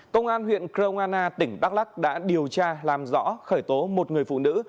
công an huyện kroana tỉnh đắk lắc đã điều tra làm rõ khởi tố một người phụ nữ